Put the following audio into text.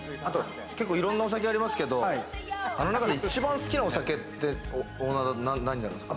いろんなお酒ありますけど、あの中で一番好きなお酒って、何になるんですか？